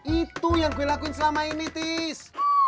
itu yang gue lakuin selama ini tis